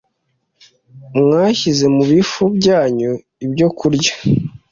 Mwashyize mu bifu byanyu ibyokurya